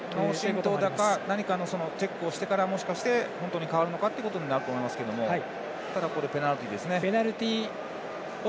脳震とうか、何かのチェックをしてから本当に変わるのかということになると思いますがこれはペナルティですね。